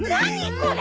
これ！